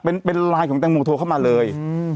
เป็นไลน์ของแตงโมโทรเข้ามาเลย